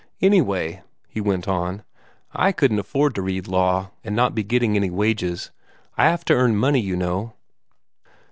Anyway," he went on, "I couldn't afford to read law, and not be getting any wages. I have to earn money, you know."